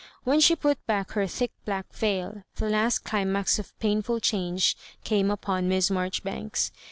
When she put back her thick black veil, the last climax of painful change came upon Miss Marjoribanks.